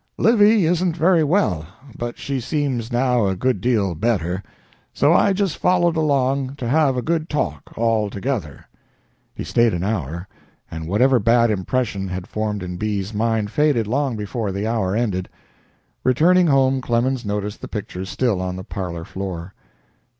Livy isn't very well, but she seems now a good deal better; so I just followed along to have a good talk, all together." He stayed an hour, and whatever bad impression had formed in B.'s mind faded long before the hour ended. Returning home, Clemens noticed the pictures still on the parlor floor.